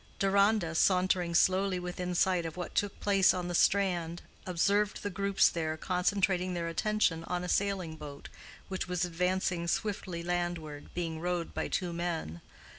Deronda, sauntering slowly within sight of what took place on the strand, observed the groups there concentrating their attention on a sailing boat which was advancing swiftly landward, being rowed by two men.